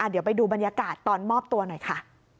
เดี๋ยวไปดูบรรยากาศตอนมอบตัวหน่อยค่ะ